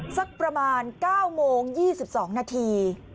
สักประมาณ๙โมง๒๒นาที